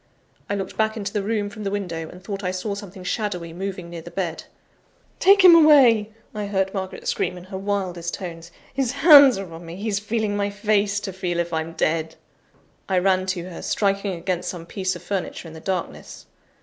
I looked back into the room from the window, and thought I saw something shadowy moving near the bed. "Take him away!" I heard Margaret scream in her wildest tones. "His hands are on me: he's feeling my face, to feel if I'm dead!" I ran to her, striking against some piece of furniture in the darkness.